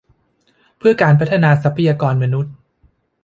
เพื่อการพัฒนาทรัพยากรมนุษย์